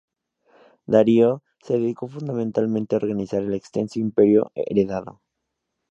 Darío se dedicó fundamentalmente a organizar el extenso imperio heredado.